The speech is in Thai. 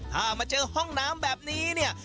ถ้ามาเจอห้องน้ำแบบนี้เนี่ย